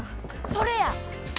それや！